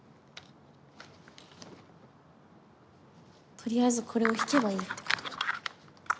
とりあえずこれを引けばいいってことか。